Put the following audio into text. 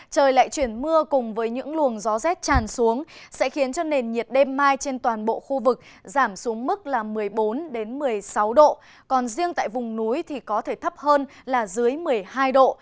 trời lại chuyển mưa cùng với những luồng gió rét tràn xuống sẽ khiến cho nền nhiệt đêm mai trên toàn bộ khu vực giảm xuống mức là một mươi bốn một mươi sáu độ còn riêng tại vùng núi thì có thể thấp hơn là dưới một mươi hai độ